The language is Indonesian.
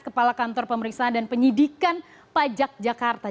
kepala kantor pemeriksaan dan penyidikan pajak jakarta